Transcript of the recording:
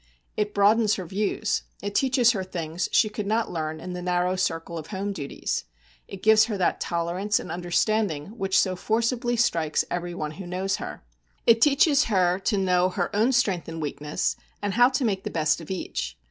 It broadens her views; it teaches her things she could not learn in the narrow circle of home duties; it gives her that tolerance and understanding which so forcibly strikes everyone who knows her. It teaches her to know her own strength and weakness, and how to make the best of each.